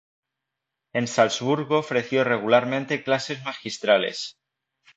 En Salzburgo ofreció regularmente clases magistrales.